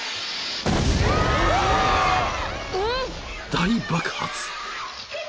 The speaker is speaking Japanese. ［大爆発］